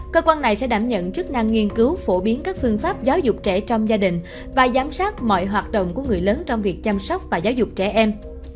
cơ quan này sẽ đảm nhận chức năng nghiên cứu phổ biến các phương pháp giáo dục trẻ trong gia đình và giám sát mọi hoạt động của người lớn trong việc chăm sóc và giáo dục trẻ em